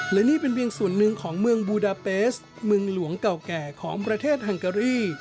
และนี่เป็นเพียงส่วนหนึ่งของเมืองบูดาเปสเมืองหลวงเก่าแก่ของประเทศฮังการี